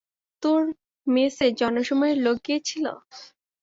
তোর মেসে জনশুমারির লোক গিয়েছিলো?